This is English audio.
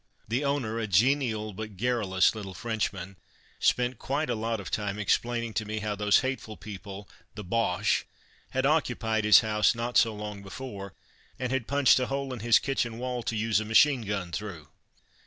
The owner, a genial but garrulous little Frenchman, spent quite a lot of time explaining to me how those hateful people, the Boches, had occupied his house not so long before, and had punched a hole in his kitchen wall to use a machine gun through.